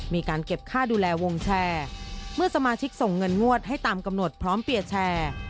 มีการเก็บค่าดูแลวงแชร์เมื่อสมาชิกส่งเงินงวดให้ตามกำหนดพร้อมเปียร์แชร์